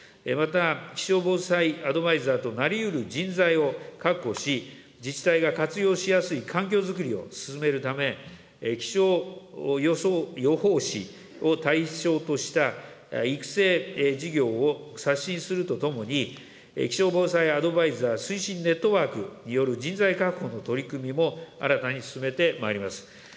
また、気象防災アドバイザーとなりうる人材を確保し、自治体が活用しやすい環境づくりを進めるため、気象予報士を対象とした、育成事業を刷新するとともに、気象防災アドバイザー推進ネットワークによる人材確保の取り組みも新たに進めてまいります。